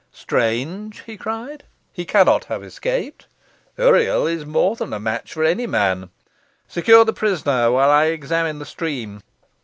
"Strange!" he cried. "He cannot have escaped. Uriel is more than a match for any man. Secure the prisoner while I examine the stream."